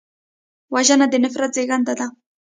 وژنه د نفرت زېږنده ده